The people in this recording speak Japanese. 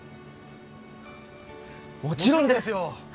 もちろんですよ！